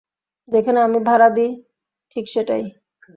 যেখানে আমি ভাড়া দিই, ঠিক সেটাই।